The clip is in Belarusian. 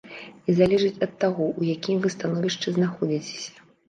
І залежыць ад таго, у якім вы становішчы знаходзіцеся.